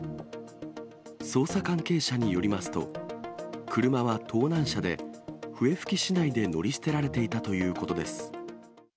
捜査関係者によりますと、車は盗難車で、笛吹市内で乗り捨てられていたということです。